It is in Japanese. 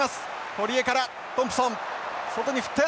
堀江からトンプソン外に振って。